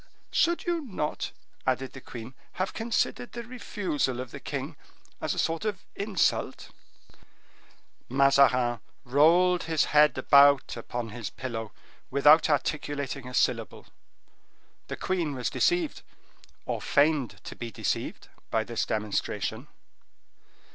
"Should you not," added the queen, "have considered the refusal of the king as a sort of insult?" Mazarin rolled his head about upon his pillow, without articulating a syllable. The queen was deceived, or feigned to be deceived, by this demonstration.